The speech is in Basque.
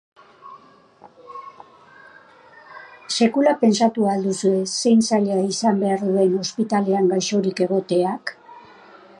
Sekula pentsatu al duzue zein zaila izan behar duen ospitalean gaixorik egoteak?